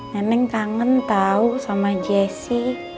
neneng kangen tau sama jessy